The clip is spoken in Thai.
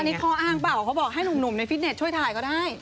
อันนี้ข้ออ้างเปล่าเขาบอกให้หนุ่มในฟิตเน็ตช่วยถ่ายก็ได้